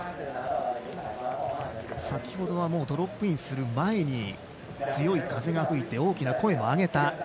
先ほどはドロップインする前に強い風が吹いて大きな声も上げた。